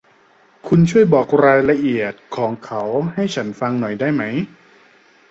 คุณช่วยบอกรายละเอียดของเขาให้ฉันฟังหน่อยได้ไหม ?